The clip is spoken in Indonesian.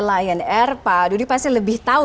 lion air pak dudi pasti lebih tahu